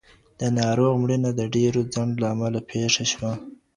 د ناروغ مړینه د ډېر ځنډ له امله پېښه شوه.